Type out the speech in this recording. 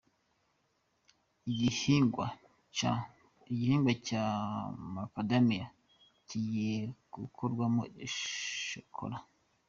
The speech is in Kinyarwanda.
Igihingwa cya Makadamiya kigiye gukorwamo shokora